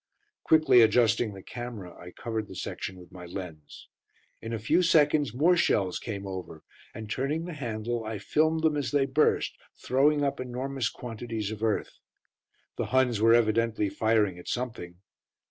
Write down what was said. Quickly adjusting the camera, I covered the section with my lens. In a few seconds more shells came over, and turning the handle I filmed them as they burst, throwing up enormous quantities of earth. The Huns were evidently firing at something.